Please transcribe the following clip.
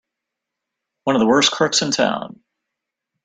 One of the worst crooks in town!